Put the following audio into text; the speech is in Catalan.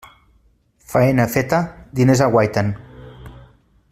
Faena feta, diners aguaiten.